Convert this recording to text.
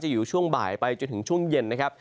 อยู่ช่วงบ่ายไปจนถึงช่วงเย็นนะครับ